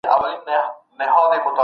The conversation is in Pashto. ګاونډی هیواد نړیوال قانون نه نقض کوي.